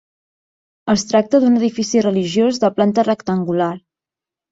Es tracta d'un edifici religiós de planta rectangular.